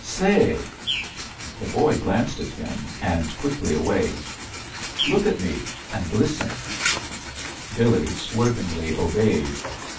>x"Sayr The boy glanced at him, and qtfickly away. "Look at me, and listen." Billy swervingly obeyed.